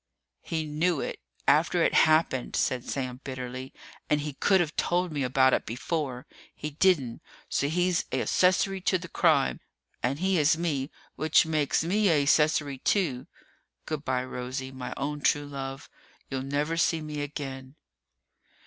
"He knew it after it happened," said Sam bitterly, "and he could've told me about it before! He didn't, so he's a accessory to the crime. And he is me, which makes me a accessory, too. Good by, Rosie, my own true love! You'll never see me again!"